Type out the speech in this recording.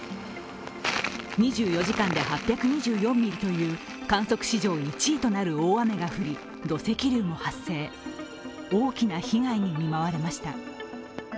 ２４時間で８２４ミリという観測史上１位となる大雨が降り土石流も発生、大きな被害に見舞われました。